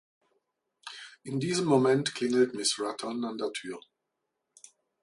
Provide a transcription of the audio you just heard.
In diesem Moment klingelt Miss Raton an der Tür.